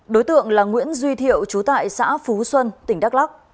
đối tượng là nguyễn duy thiệu trú tại xã phú xuân tỉnh đắk lắc